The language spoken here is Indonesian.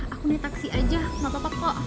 aku naik taksi aja gak apa apa kok